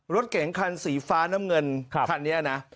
รถเก๋งคันสีฟ้าน้ำเงินคันนี้นะ